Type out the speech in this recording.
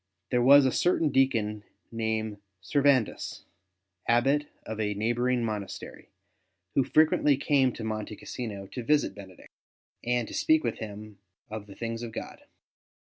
There was a certain deacon named Servandus, Abbot of a neighbouring monastery, who frequently came to Monte Cassino to visit Benedict, and to speak with him of the things of God.